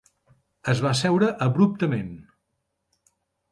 Es va asseure abruptament.